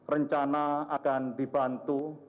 rencana akan dibantu